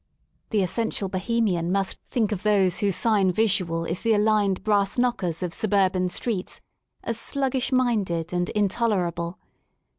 The essential Bohemian must think of those whose sign visual is the aligned brass knockers of suburban streets, as sluggish minded and intolerable.